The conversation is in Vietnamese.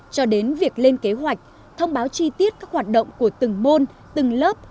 cho đến việc lên kế hoạch thông báo chi tiết các hoạt động của từng môn từng lớp